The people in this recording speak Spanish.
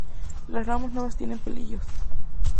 Las ramas nuevas tienen pelillos.